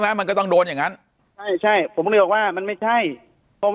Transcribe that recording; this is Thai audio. ไหมมันก็ต้องโดนอย่างนั้นใช่ผมเลยว่ามันไม่ใช่เพราะว่า